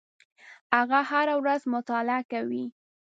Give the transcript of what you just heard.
هغه هره ورځ مطالعه کوي.